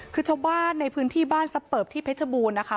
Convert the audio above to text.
คือชาวบ้านในพื้นที่บ้านซับเปิบที่เพชรบูรณ์นะคะ